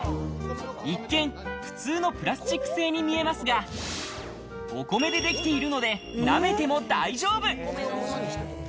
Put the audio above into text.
一見普通のプラスチック製に見えますが、お米でできているので、舐めても大丈夫。